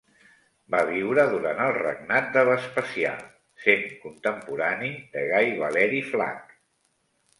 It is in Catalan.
Va viure durant el regnat de Vespasià, sent contemporani de Gai Valeri Flac.